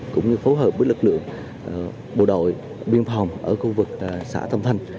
cũng như phối hợp với lực lượng bộ đội biên phòng ở khu vực xã tâm thanh